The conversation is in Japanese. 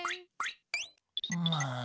まあ。